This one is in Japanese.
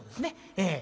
ええ。